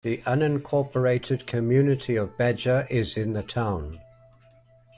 The unincorporated community of Badger is in the town.